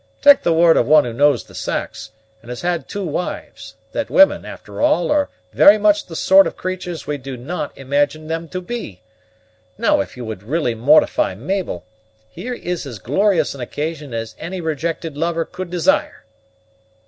Tak' the word of one who knows the sax, and has had two wives, that women, after all, are very much the sort of creatures we do not imagine them to be. Now, if you would really mortify Mabel, here is as glorious an occasion as any rejected lover could desire."